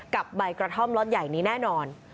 กับใบกระท่อมรถใหญ่นี้แน่นอน